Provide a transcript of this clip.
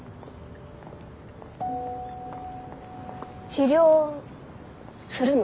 治療するの？